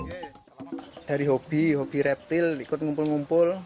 jadi ini adalah hobi reptil ikut ngumpul ngumpul